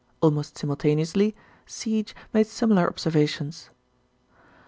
Almost simultaneously, Siege made similar observations.